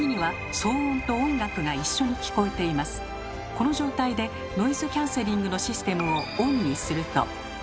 この状態でノイズキャンセリングのシステムをＯＮにすると。